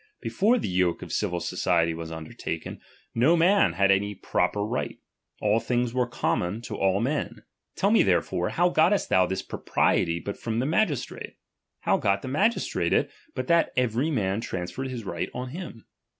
Before the yoke of civil society was undertaken, no man had any proper right ; all things were common to all men. Tell me therefore, how gottest thou this praprielt/ but from the ma gistrate ? How got the magistrate it, but that every man transferred his right on him